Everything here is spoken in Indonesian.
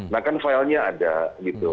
nah kan filenya ada gitu